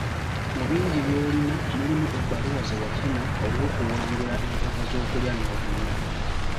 Mu bingi by’olina mulimu ebbaluwa ze wafuna olw’okuwangula empaka z’okulya n’okunywa.